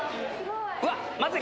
うわまずい。